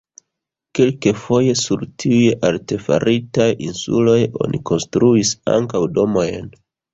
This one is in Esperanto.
Kelkfoje sur tiuj artefaritaj insuloj oni konstruis ankaŭ domojn.